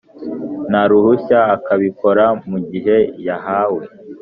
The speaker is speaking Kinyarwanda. nta ruhushya akabikora mu gihe yahawe